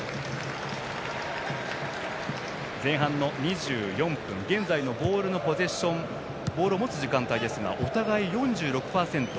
前半の２４分現在のボールのポゼッションボールを持つ時間帯はお互い、４６％。